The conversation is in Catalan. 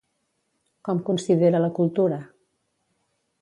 Com considera la cultura?